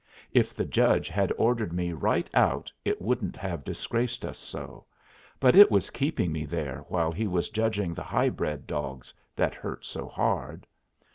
If the judge had ordered me right out it wouldn't have disgraced us so, but it was keeping me there while he was judging the high bred dogs that hurt so hard.